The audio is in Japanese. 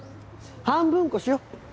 半分こしよ。